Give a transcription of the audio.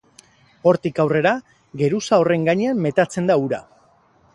Hortik aurrera, geruza horren gainean metatzen da ura.